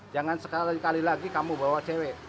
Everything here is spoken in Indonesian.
jangan sekali lagi kamu bawa cewek